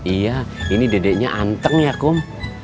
iya ini dedeknya anteng ya kum